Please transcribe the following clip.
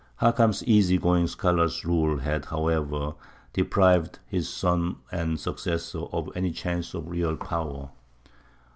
Hakam's easy going scholar's rule had, however, deprived his son and successor of any chance of real power.